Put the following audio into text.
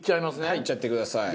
はいいっちゃってください。